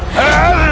kau akan dihukum